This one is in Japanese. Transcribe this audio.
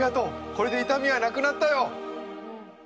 これで痛みはなくなったよ。